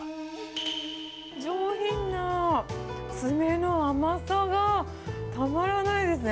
上品なツメの甘さがたまらないですね。